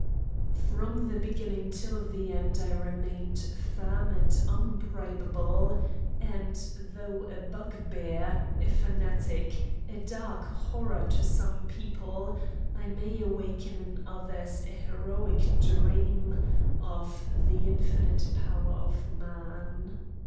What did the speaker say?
From the beginning till the end I remained firm and unbribable; and though a bugbear, a fanatic, a dark horror to some people, I may awaken in others a heroic dream of the infinite power of man.